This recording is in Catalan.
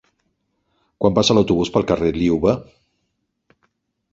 Quan passa l'autobús pel carrer Liuva?